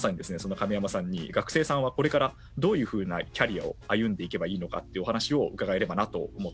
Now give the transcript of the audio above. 亀山さんに学生さんはこれからどういうふうなキャリアを歩んでいけばいいのかっていうお話を伺えればなと思っています。